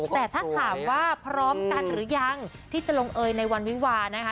แต่ถ้าถามว่าพร้อมกันหรือยังที่จะลงเอยในวันวิวานะคะ